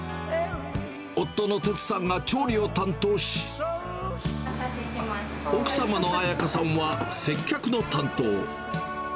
夫の徹さんが調理を担当し、奥様の彩可さんは、接客の担当。